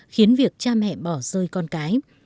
khiến việc cha mẹ bỏ rơi con cái